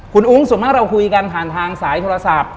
คุณอุ้งส่วนมากเราคุยกันผ่านทางสายโทรศัพท์